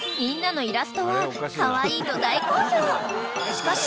［しかし］